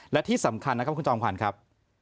และที่สำคัญนะครับคุณจอมขวัญครับ